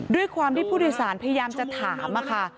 ด้วยความที่ผู้โดยสารพยายามจะถามค่ะ